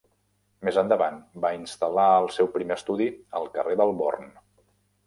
Més endavant va instal·lar el seu primer estudi al carrer del Born.